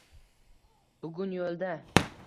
Bugun yo’lda…